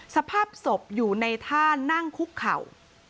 สภาพศพอยู่ในท่านั่งคุกเข่า